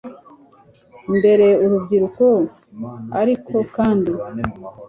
mbere urubyiruko Ariko kandi